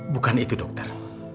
bukan itu dokter